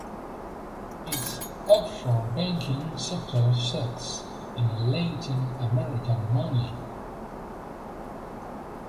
Its offshore-banking sector sucks in Latin American money.